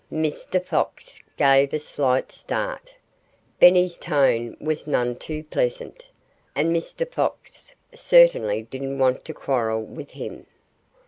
Mr. Fox gave a slight start. Benny's tone was none too pleasant. And Mr. Fox certainly didn't want to quarrel with him.